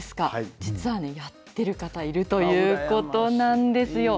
実はやってる方、いるということなんですよ。